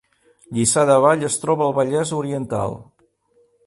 Lliçà de Vall es troba al Vallès Oriental